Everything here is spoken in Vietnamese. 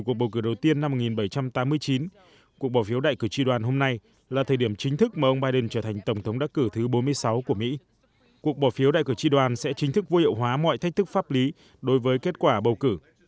cuộc bỏ phiếu đại cử tri đoàn sẽ chính thức vô hiệu hóa mọi thách thức pháp lý đối với kết quả bầu cử